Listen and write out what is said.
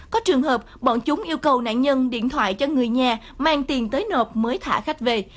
có trường hợp bọn chúng yêu cầu nạn nhân điện thoại cho người nhà mang tiền tới nộp mới thả khách về